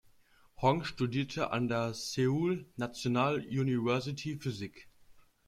Hong studierte an der Seoul National University Physik.